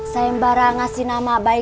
sayembaran ngasih nama baik baik